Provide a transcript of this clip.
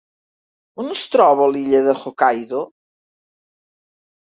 On es troba l'illa de Hokkaido?